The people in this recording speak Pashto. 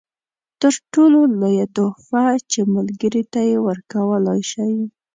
تر ټولو لویه تحفه چې ملګري ته یې ورکولای شئ.